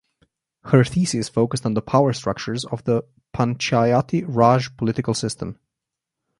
Her thesis focused on the power structures of the Panchayati raj political system.